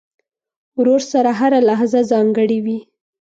ورور سره هره لحظه ځانګړې وي.